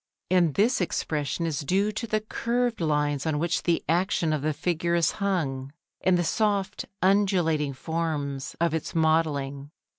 And this expression is due to the curved lines on which the action of the figure is hung, and the soft undulating forms of its modelling.